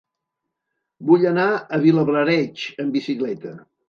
Vull anar a Vilablareix amb bicicleta.